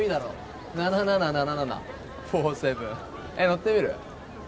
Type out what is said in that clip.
乗ってみる？